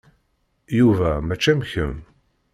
Yuba mačči am kemm.